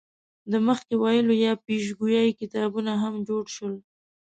د مخکې ویلو یا پیشګویۍ کتابونه هم جوړ شول.